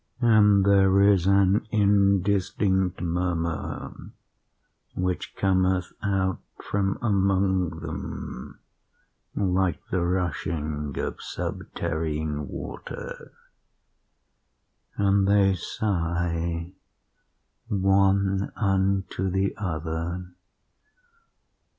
And there is an indistinct murmur which cometh out from among them like the rushing of subterrene water. And they sigh one unto the other.